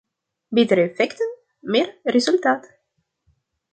Betere effecten, meer resultaat.